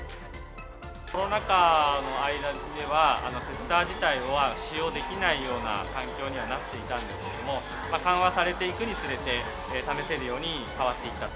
コロナ禍の間では、テスター自体は使用できないような環境にはなっていたんですけども、緩和されていくにつれて、試せるように変わっていったと。